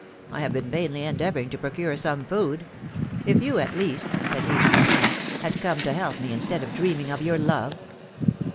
I have been vainly endeavoring to procure some food. If you, at least," said he to Masson, had come to help me, instead of dreaming of your love!"